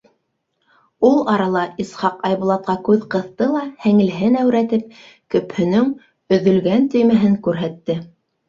Ул арала Исхаҡ Айбулатҡа күҙ ҡыҫты ла, һеңлеһен әүрәтеп, көпөһөнөң өҙөлгән төймәһен күрһәтте: